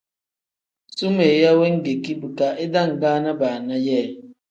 Sumeeya wengeki bika idangaana baana yee.